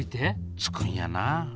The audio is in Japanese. つくんやな。